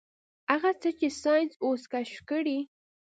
هغه څه چې ساينس اوس کشف کړي.